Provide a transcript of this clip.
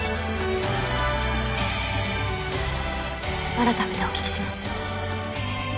改めてお聞きします。